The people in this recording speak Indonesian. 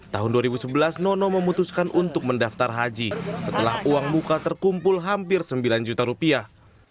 tahun dua ribu sebelas nono memutuskan untuk mendaftar haji setelah uang muka terkumpul hampir sembilan juta rupiah